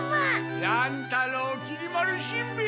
乱太郎きり丸しんべヱ！